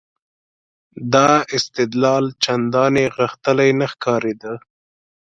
دا استدلال چندانې غښتلی نه ښکارېده.